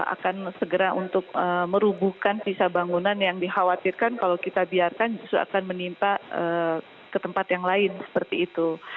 akan segera untuk merubuhkan sisa bangunan yang dikhawatirkan kalau kita biarkan justru akan menimpa ke tempat yang lain seperti itu